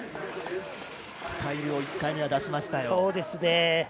スタイルを１回目は出しました。